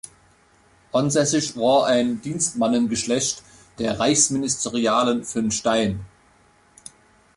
Ansässig war ein Dienstmannengeschlecht der Reichsministerialen von Stein.